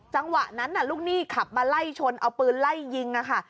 จังหวะนั้นลูกหนี้ขับมาไล่ชนเอาปืนไล่ยิงค่ะ